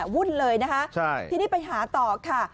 หุ้นเลยนะครับที่นี่ไปหาต่อค่ะ